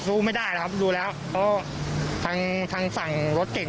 สู้ไม่ได้อะครับดูแล้วเขาทางชั่งรถเก่ง